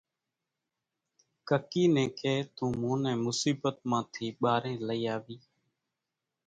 ڪڪِي نين ڪي تون مون نين مصيٻت مان ٿي ٻارين لئي آوي۔